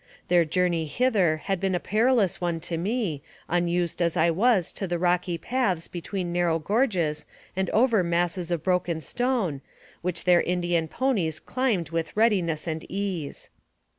Their journey hither had been a perilous one to me, unused as I was to the rocky paths between narrow gorges and over masses of broken stone, which their Indian ponies climbed with readiness and ease.